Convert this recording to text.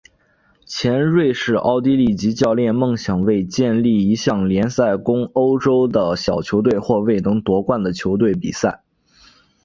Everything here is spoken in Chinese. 前瑞士奥地利籍教练梦想为建立一项联赛供欧洲的小球队或未能夺冠的球队比赛。